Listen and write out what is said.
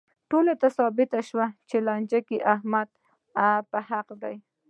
ټولو ته ثابته شوه چې په لانجه کې احمد په حقه دی.